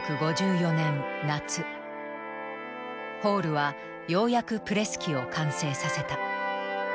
ホールはようやくプレス機を完成させた。